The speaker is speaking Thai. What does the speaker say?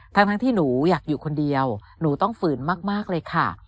ทั้งที่หนูอยากอยู่คนเดียวหนูต้องฝืนมากเลยค่ะ